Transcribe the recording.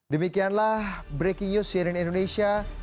demikianlah breaking news share in indonesia informasi terkini mengenai insiden ini